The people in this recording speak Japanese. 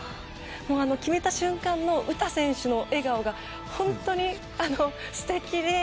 決めた瞬間の詩選手の笑顔が本当に素敵で。